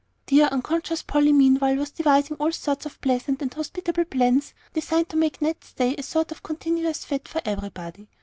Dear, unconscious Polly meanwhile was devising all sorts of pleasant and hospitable plans designed to make Ned's stay a sort of continuous fête to everybody.